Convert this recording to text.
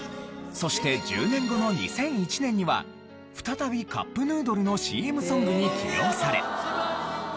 そして１０年後の２００１年には再びカップヌードルのＣＭソングに起用され。